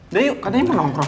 udah yuk katanya perlu nongkrong